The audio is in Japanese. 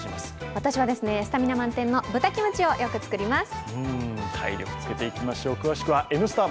私はスタミナ満点の豚キムチをよく作ります。